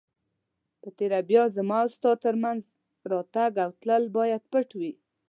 په تېره بیا زما او ستا تر مینځ راتګ او تلل باید پټ وي.